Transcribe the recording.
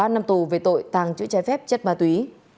ba năm tù về tội tàng trữ trái phép chất ma túy